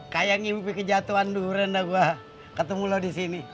kayak ngibik kejatuhan duran dah gua ketemu lu di sini